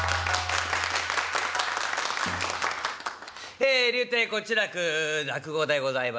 ええ柳亭小痴楽落語でございます。